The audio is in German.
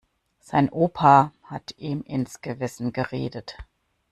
Sein Opa hat ihm ins Gewissen geredet.